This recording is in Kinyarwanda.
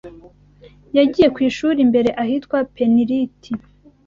Yagiye ku ishuri mbere ahitwa Peniriti